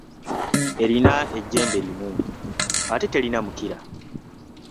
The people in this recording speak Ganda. Eyina ejjembe limu, ate terina mukira.